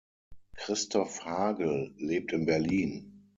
Christoph Hagel lebt in Berlin.